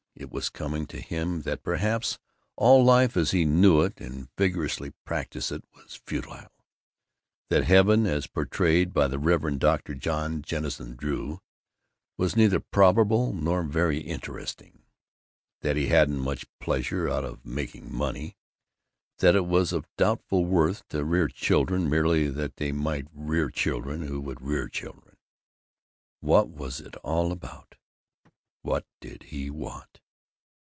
It was coming to him that perhaps all life as he knew it and vigorously practised it was futile; that heaven as portrayed by the Reverend Dr. John Jennison Drew was neither probable nor very interesting; that he hadn't much pleasure out of making money; that it was of doubtful worth to rear children merely that they might rear children who would rear children. What was it all about? What did he want?